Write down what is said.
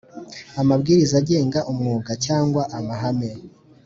amabwiriza agenga umwuga cyangwa amahame